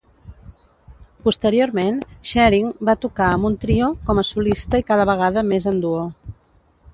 Posteriorment, Shearing va tocar amb un trio, com a solista i cada vegada més en duo.